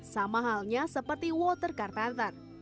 sama halnya seperti water car pantan